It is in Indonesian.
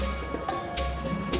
terima kasih pak